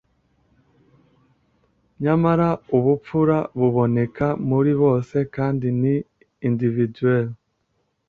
nyamara ubupfura buboneka muri bose kandi ni individuel